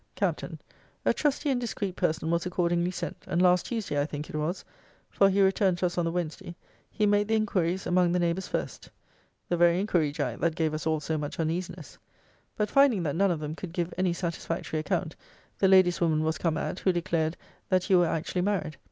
Capt. 'A trusty and discreet person was accordingly sent; and last Tuesday, I think it was, (for he returned to us on the Wednesday,) he made the inquiries among the neighbours first.' [The very inquiry, Jack, that gave us all so much uneasiness.*] 'But finding that none of them could give any satisfactory account, the lady's woman was come at, who declared, that you were actually married.